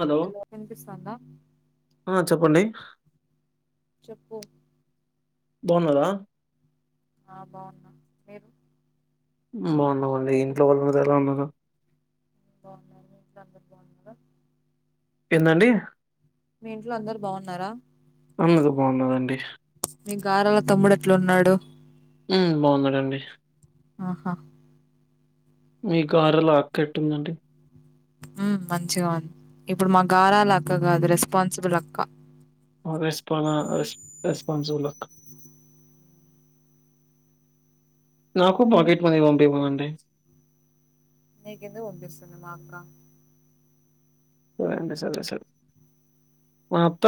Hello, ఆ చెప్పండి చెప్పు బాన్నరా ఆ బావున్నా మీరు ఉ బావున్నామండి ఇంట్లో వాళ్ళుంనర ఎలా ఉన్నారు. బావున్నం మీ ఇంట్లో అందరూ బావున్నర ఏందండి. మీ ఇంట్లో అందరు బావున్నారా. అందరూ బావున్నారండి. మీ గారాల తమ్ముడు ఎట్లున్నాడు. ఉ బావున్నారండి. ఆహా మీ గారాలా అక్కెట్టుందండి. ఉమ్ మంచిఅ ఉంది ఇప్పుడు మా గారాల అక్కగాదు రెస్పాన్సిబుల్ అక్క అ రెస్పాన రెస్ రెస్పాన్స్ బుల్ అక్క నాకు పాకెట్ మనీ పంపిమనండి. నీకెందుకు పంపిస్సుంది మా అక్క సరే అండి సరే సరే, మాఅత్త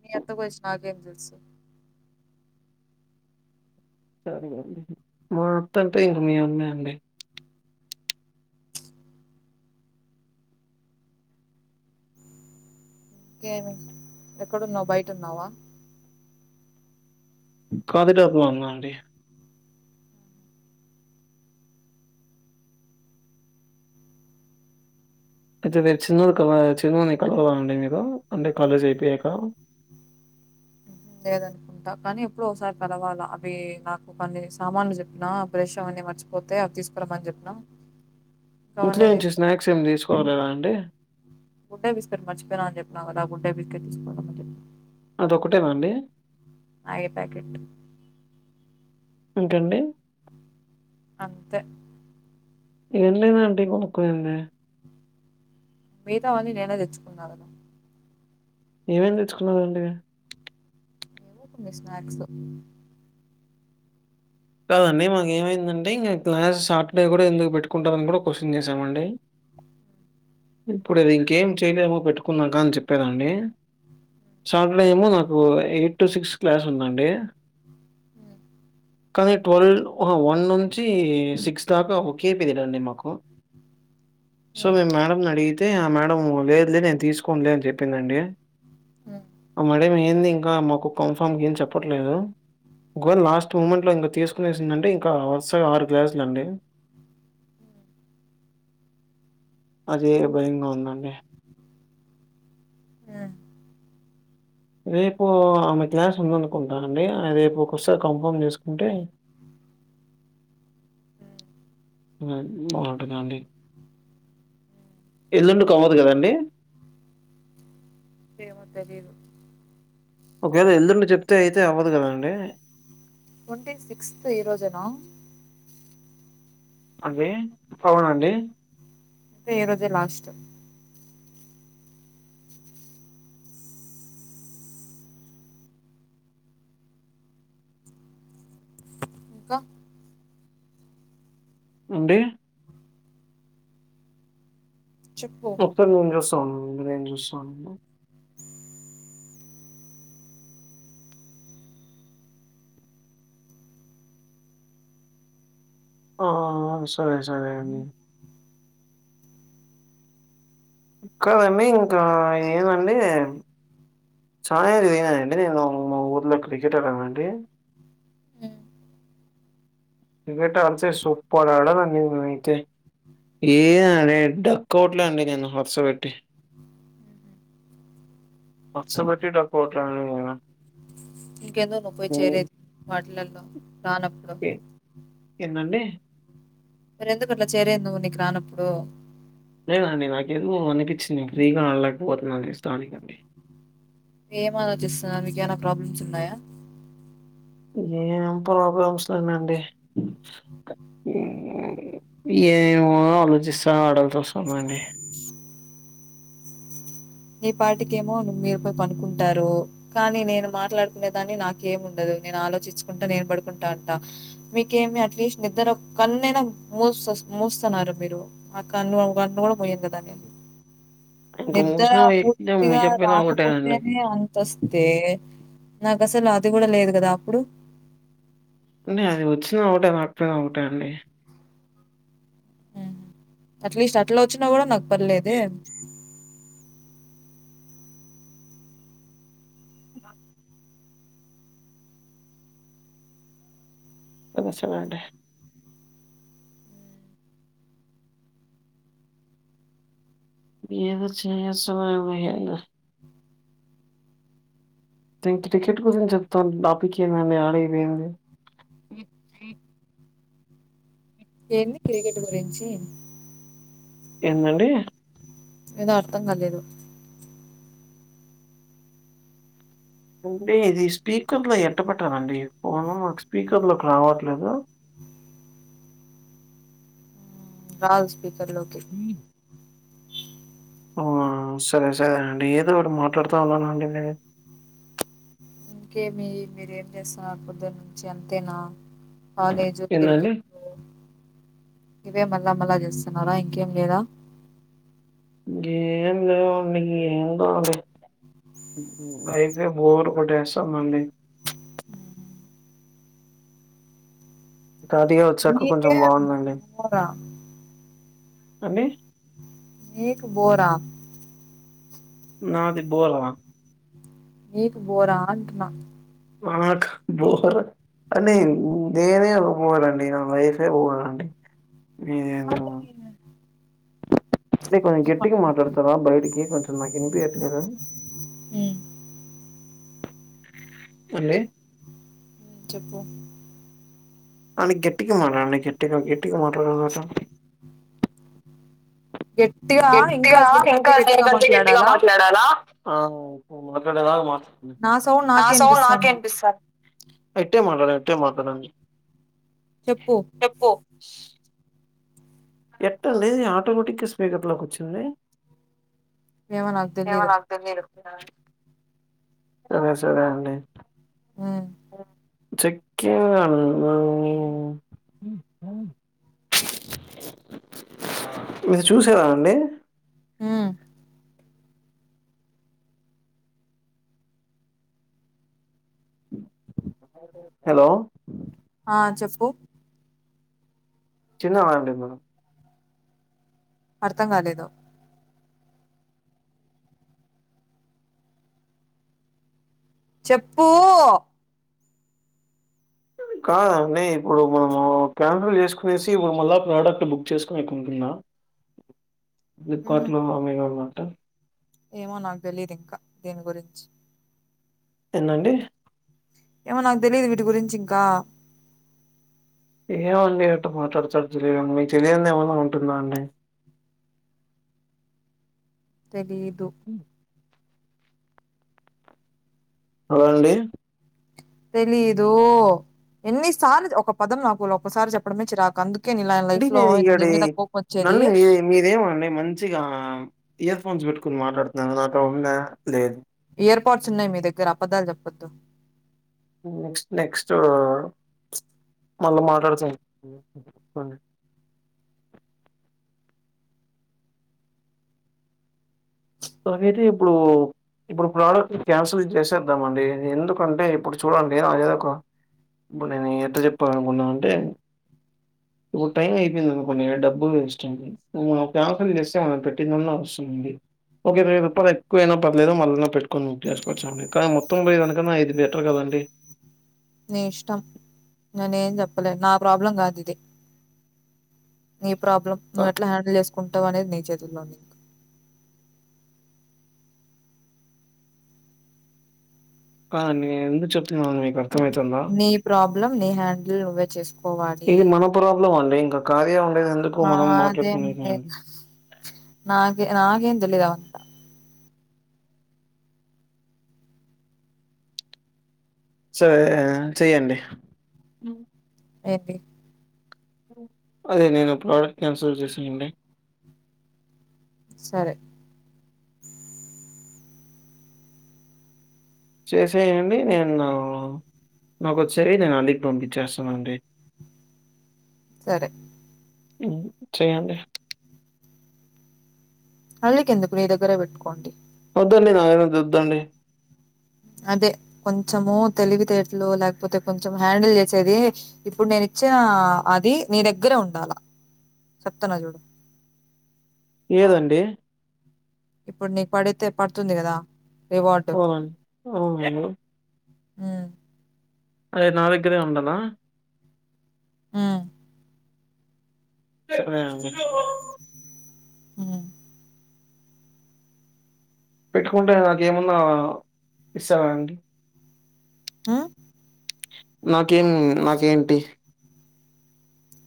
మీ అంతా కొస్ నాకేం తెల్సు సరేనేండి మాత్తంటె ఇంగ మీ అమ్మె అండి. ఇంకేమి ఎక్కడున్నావ్ బయటున్నావా కాదిడాప్ ఉన్నా అండి. అయితే మీరు చిన్నది [inaudible] లేదనుకుంటా కానీ ఎప్పడో ఒకసారి కలవాలా అవి నాకు కొన్ని సామాన్లు చెప్పినా ప్రష అన్నీ మర్చిపోతే అవి తీసుకురమని చెప్పినా ఇంకా ఇంట్లో అవన్నీ నుంచి తీసుకు స్నాక్స్ ఏం తీసుకోరాలేదా అండి గుడ్ డే బిస్కెట్ మర్చపోయినా అని చెప్పన్నా కదా గుడ్ డే బిస్కట్ తీసుకురవడానికి అదొకటేనా అండి [inaudible] పాకెట్ అంతే అండి అంతే [inaudible] కొడుకున్నే మిగతా అన్నీ నేనే తెచ్చుకున్నాను ఏమేమి తెచ్చుకున్నారండి. కొన్ని స్నాక్స్ కాదండి మాకేమైందంటే ఇంకా క్లాస్ సాటర్డే కూడా ఎందుకు పెట్టుకుంటామని కూడా క్వశ్చన్ చేశామండి ఇప్పుడుది ఇంకేం చేయలేమో పెట్టుకున్నాక అని చెప్పేరండి సాటర్డే ఏమో నాకు ఎయిట్ టు సిక్స్ క్లాస్ ఉందండి. కానీ ట్వల్వ్ వన్ నుంచి సిక్స్ దాకా ఒకే అండి మాకు సో మేం మేడంమ్ అడిగి తే ఆ మేడమ్ లేదులే నేను తీసుకోన్లే అని చెప్పిందండి. ఆ మేడమ్ మీ ఏంది ఇంకా మాకు కన్ఫమ్గ ఏం చెప్పట్లేదు. ఒకవేళ లాస్ట్ మూమెంట్ ట్లో తీస్కునేసిందాంటే ఇంకా వరుసగా ఆరు క్లాసులు అండి అదే భయంగా ఉందండి. రేపు ఆమె క్లాస్ ఉందనుకుంటా అండి. రేపు ఒకసారి కంఫామ్ చేసుకుంటే బాగుంటదండి. ఎల్లుండి అవ్వదు కదండి. [inaudible] ఒకేళ ఎల్దుండి చెప్తే అయితే అవ్వదు కదండి. ట్వంటీ సిక్స్త్ ఈ రోజేనా అండి అవునండి. అయితే ఈ రోజే లాస్ట్ ఇంకా అండి చెప్పు ఒకసార్ [inaudible] [unintelligible] ఆ సరే సరే అండి కాదండి ఇంకా ఏమండి చాది విననండి నేను మా ఊర్లో క్రికెట్ [inaudible] క్రికెట్ అడితే సూపర్ అడన్నీ [inaudible] పచ్చ బట్టి డకోటా అండి నేను ఇంకెందొ నువ్ పోయి చేరేది వాటిలల్లో రానప్పుడు ఏందండి? మరెందుకట్ల చేరినవ్ నీక్ రానప్పుడు లేదండి నాకేందో అనిపించింది నేను ఫ్రీగా అడలేకపోతున్నాని ఇస్తానికండి ఏం ఆలోచిస్తున్నావ్ నీకేమైనా ప్రాబ్లమ్స్ ఉన్నాయా ఏం ప్రాబ్లమ్స్ లేనండి ఏమో ఆలోచిస్తా ఆడాల్సి వస్తుదండి నీ పార్టికేమో ను మీరు పోయి పనుకుంటారు.. కానీ నేను మాట్లాడుకునేదాన్ని నాకేం ఉండదు నేను ఆలోచించుకుంటా నేను పడుకుంటా అంట మీకేమి అట్లీస్ట్ నిద్దరు కన్నైన మూస్త మూస్తున్నారు మీరు ఆ కన్ను ఒక కన్ను కూడా మయండదాన్ని ఇంకా ఎం ఇంకా పూర్తిగా రాకపూర్తనే అంతస్తే నాకు అసలు అది కూడా లేదు కదా అప్పుడు ఎమండి అది వచ్చిన ఒకటే రాకపోయిన ఒకటే అండి మ్ అట్లీస్ట్ అట్లా వచ్చినా కూడా నాకు పర్లేదే బ వినిపిస్తంద అండి ఏ [unintelligible] దీనికి టికెట్ గురించి చెప్తాను టాపిక్ ఏందండి ఆడైపోయింది ఎన్ని క్రికెట్ గురించి [inaudible] ఏందండి. ఏదో అర్థం కాలేదు అంటే ఇది స్పీకర్ లో ఎట్ట పెట్టాలండి ఫోను నాకు స్పీకర్ లోకి రావట్లేదు [unintelligible] స్పీకర్ లోకి ఆ సరే సరే అండి ఏదొఒక్కటి మాట్లాడుతా ఉన్నానండి మీరు ఇంకేమి మీరేం చేస్తున్నారు పొద్దు నుంచి అంతేనా కాలేజ్, ఏందండి? క్రికెట్ ఇవే మళ్ళా మళ్ళా చేస్తున్నారా ఇంకేం లేదా ఏం లేవుండి ఏం కావాలి అయితే బోర్ కొట్టేస్తాదండి. ఖాతిగా వచ్చాక కొంచెం నీకే బాగుందండి. బోరా అండి నీక్ బోరా నాది బోరా నీకు బోరా అంటున్నా నాకు బోర అని నేనే బోర్ నా లైఫే అండి మీది ఎంత కొంచెం గట్టికి మాట్లాడతారా బయటికి కొంచెం నాకు ఇనిపి ఎట్లేదు హ్మ్. అండి చెప్పు [inaudible] అ గెట్టికి మాట్లాడండి గెట్టిగా గెట్టికి మాట్లాడండి చె గట్టిగా ఇంకా దీని కంటే గట్టిగా మాట్లాడాలా? మాట్లాడాలా అవును నువ్వు మాటదేడక మాత్ర నా సౌండ్ నా నాకే సౌండ్ నాకే ఇనిపిస్తాంది. వినిపిస్తుంది ఇట్టే మాట్లాడ ఇట్టే మాట్లాడండి చెప్పు ఎట్ట లేది ఆటోమేటిగ్గా స్పీకర్ లోకి వచ్చింది. ఏమో నాకు ఏమో తెలీదు నాకు తెలియదు సరే సరే అండి. ఆ చెక్క ఇది చూసేదా అండి ఆ హలో ఆ చెప్పు చిన్న [unintelligible] అర్థం కాలేదు చెప్పు కాదండి ఇప్పుడు మనము క్యాన్సిల్ చేసుకునేసి ఇప్పుడు మళ్ళా ప్రోడక్ట్ బుక్ చేసుకునేకుంటుందా హుహు. [unintelligible] [unintelligible] ఏమో నాకు తెలీదు ఇంకా దీని గురించి ఏంది అండి ఏమో నాకు తెలియదు వీటి గురించి ఇంకా ఏమండి అట మాట్లాడతారూ మీకు తెలియంది ఏమన్నా ఉంటుందా అండి తెలీదు [inaudible] అలాండి తెలీదు ఎన్నిసార్లు ఒక పదం నాకు ఒకసారి చెప్పడమే చిరాకు అందుకు అంటే నేను ఇక్కడి నన్ను మీ మీదేమండి మంచిగా ఇయర్ ఫోన్స్ పెట్టుకుని మాట్లాడుతున్నాను నాకు అది ఉందా లేదు ఎయిర్పోడ్స్ ఉన్నాయి మీ దగ్గర అబద్ధాలు చెప్పొద్దు నెక్స్ట్ నెక్స్ట్ మళ్ళా మాట్లాడుతుం అకైతే ఇప్పుడు ఇప్పుడు ప్రోడక్ట్ క్యాన్సిల్ చేసేద్దామ అండి ఎందుకంటే ఇప్పుడు చూడండి అ ఏదో ఒక ఇప్పుడు నేను ఎట్లా చెప్పాలి అనుకున్నాను అంటే ఇప్పుడు టైం అయిపోయింది అనుకున్నా డబ్బులు వేస్ట్ండినం క్యాన్సిల్ చేస్తే మనం పెట్టిందన్నా వస్తుందండి ఒకే వెయ్యి రూపాయలు ఎక్కువ అయిన పర్లేదో మళ్ళనా పెట్కొని బుక్ చేసుకోవచ్చాండి కానీ మొత్తం పోయానుకన్నా ఇది బెటర్ కదండి నీ ఇష్టం నేనే ఏం చెప్పలేను నా ప్రాబ్లం కాదు ఇది నీ ప్రాబ్లం క నువ్వు ఏట్లా హ్యాడిల్ చెస్ కుంటవానేది నీ చేతుల్లో ఉంది కా నేను ఎందుకు చెప్తున్నా మీక అర్థమైతుందా నీ ప్రాబ్లం నీ హ్యాండ్ తో నువ్వే చెస్ ఇది మన ప్రాబ్లం అలా ఇంకా కార్య ఉన్న అదే నాే నాకేం నాకేం తెలీదు అవంత స చె్యండి [unintelligible] అదే నేను ప్రోడక్ట్ క్యాన్సిల్ చేశానండి సరే చేసేయండి నేను నాకు వచ్చేవి నేను [unintelligible] పంపించేస్తానండి సరే చేయండి అళ్కెందుకు నీ దగ్గర పెట్కోండి వద్దండి నాదగ్గర వద్దండి అదే కొంచము తెలివితేటలు లేకపోతే, కొంచెం హ్యాండిల్ చేసేది ఇప్పుడు నేను ఇచ్చిన అది నీ దగ్గరే ఉండాల చెప్తాను చూడు. ఏదండి ఇప్పుడు నీకు పడితే పడుతుంది కదా. రివార్డ్ అవును ఆ అదే నా దగ్గరే ఉండాల ఆ ఆ [unintelligible] ఆ పెట్టుకుంటే నాక ఏమన్నా ఇస్తావానికి ఆ నాకేం నాకేంటి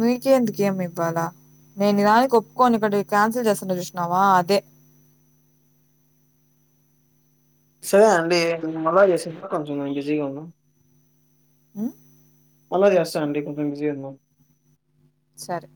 మీకే ఎందుకేమి ఇవ్వాలా, నేను నిదానికి ఒప్పుకోని ఇక్కడి క్యాన్సిల్ చేస్తున్న చూసినావా అదే సరే అండి మే మలా చేస కొంచెం బిజీగా ఉన్నాం. ఆ మల్ల చేస్తా అండి కొంచెం బిజీగా వున్నాం. సరే